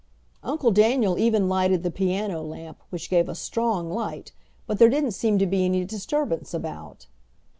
Uncle Daniel even lighted the piano lamp, which gave a strong light, but there didn't seem to be any disturbance about.